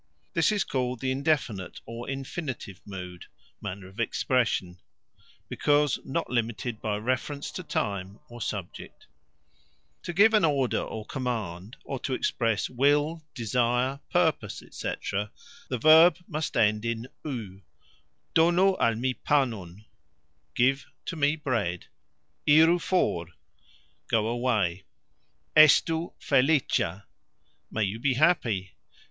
(This is called the INDEFINITE or INFINITIVE Mood (manner of expression), because not limited by reference to time or subject). To give an "order" or "command", or to express "will, desire, purpose", etc., the verb must end in "u", as "Donu al mi panon", Give (to) me bread; "Iru for", Go away; "Estu felicxa", May you be happy!